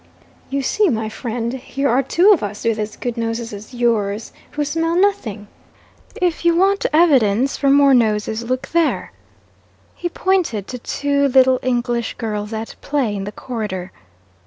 'You see, my friend, here are two of us, with as good noses as yours, who smell nothing. If you want evidence from more noses, look there!' He pointed to two little English girls, at play in the corridor.